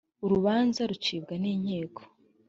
urubanza rucibwa ninkiko.